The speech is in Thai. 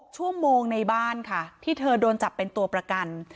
ชั่วโมงในบ้านค่ะที่เธอโดนจับเป็นตัวประกัน